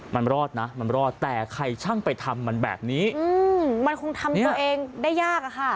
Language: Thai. มันรอดนะมันรอดแต่ใครช่างไปทำมันแบบนี้มันคงทำตัวเองได้ยากอะค่ะ